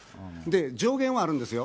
上限はあるんですよ。